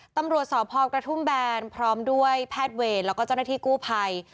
ตำรวจสพกระทุ่มแบนพร้อมด้วยแพทย์เวรแล้วก็เจ้าหน้าที่กู้ภัย